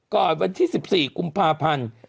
ก่อนวันที่๑๔กุมภาพันธ์